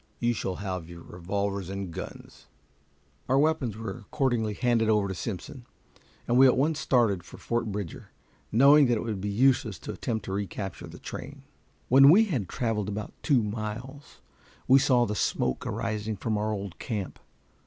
You shall have your revolvers and guns." Our weapons were accordingly handed over to Simpson, and we at once started for Fort Bridger, knowing that it would be useless to attempt the recapture of the train. When we had traveled about two miles we saw the smoke arising from our old camp.